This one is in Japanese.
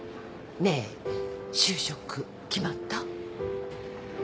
ねえ就職決まった？